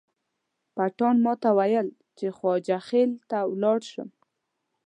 پټان ماته وویل چې خواجه خیل ته ولاړ شم.